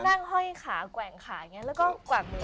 เพราะคนเล่นไห้ขากว่างนี้แล้วก็กว่าคอบกิน